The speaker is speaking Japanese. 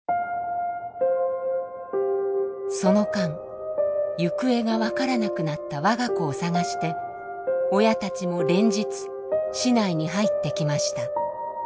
その間行方が分からなくなった我が子を捜して親たちも連日市内に入ってきました。